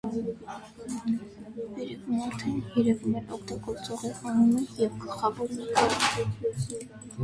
Վերևում արդեն երևում են օգտագործողի անունը և գլխավոր նկարը։